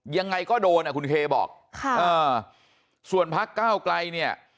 ยังไงก็โดนคุณเคบอกส่วนภาคก้าวกลายเนี่ย